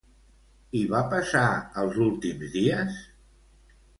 Hi va passar els últims dies?